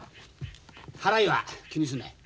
払いは気にすんなよ。